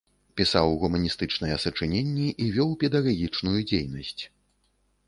Пісаў гуманістычныя сачыненні і вёў педагагічную дзейнасць.